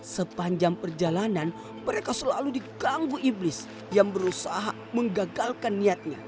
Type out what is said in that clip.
sepanjang perjalanan mereka selalu diganggu iblis yang berusaha menggagalkan niatnya